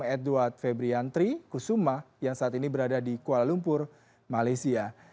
edward febriantri kusuma yang saat ini berada di kuala lumpur malaysia